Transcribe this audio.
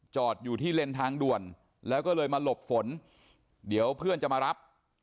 จอดอยู่ที่เลนทางด่วนแล้วก็เลยมาหลบฝนเดี๋ยวเพื่อนจะมารับ